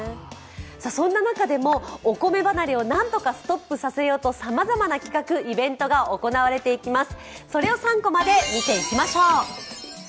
そんな中でもお米離れをなんとかストップさせようと、さまざまな企画、イベントが行われていきます。